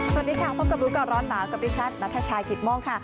สวัสดีค่ะพบกับรู้ก่อนร้อนหนาวกับดิฉันนัทชายกิตโมกค่ะ